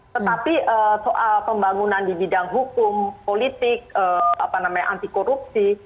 tetapi soal pembangunan di bidang hukum politik anti korupsi